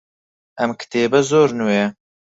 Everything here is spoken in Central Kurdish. ئەم کتێبە زۆر نوێیە.